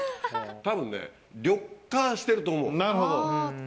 たぶんね、緑化してると思う。